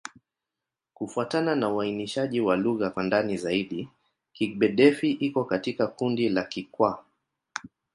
Kufuatana na uainishaji wa lugha kwa ndani zaidi, Kigbe-Defi iko katika kundi la Kikwa.